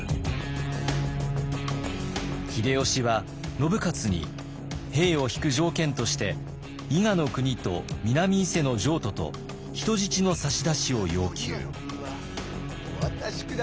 秀吉は信雄に兵を引く条件として伊賀国と南伊勢の譲渡と人質の差し出しを要求。